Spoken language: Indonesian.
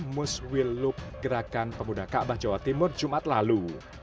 muswiluk gerakan pemuda kaabah jawa timur jumat lalu